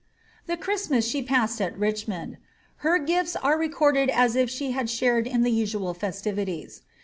The Christmas she passed at Richmond ; her glAs are recorded as if she had shared in the usual festivities.